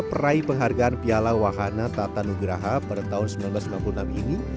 peraih penghargaan piala wahana tata nugraha pada tahun seribu sembilan ratus sembilan puluh enam ini